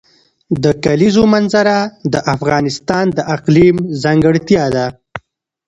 د کلیزو منظره د افغانستان د اقلیم ځانګړتیا ده.